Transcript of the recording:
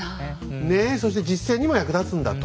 ねえそして実践にも役立つんだと。